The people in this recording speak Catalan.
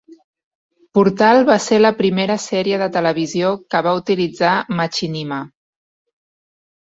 "Portal" va ser la primera sèrie de televisió que va utilitzar machinima.